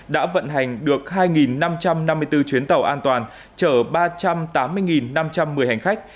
đã vận hành được hai năm trăm năm mươi bốn chuyến tàu an toàn chở ba trăm tám mươi năm trăm một mươi hành khách